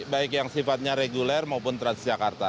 baik yang sifatnya reguler maupun transjakarta